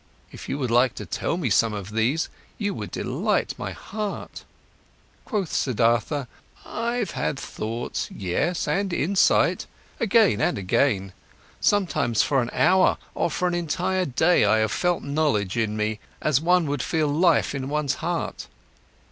If you would like to tell me some of these, you would delight my heart." Quoth Siddhartha: "I've had thoughts, yes, and insight, again and again. Sometimes, for an hour or for an entire day, I have felt knowledge in me, as one would feel life in one's heart.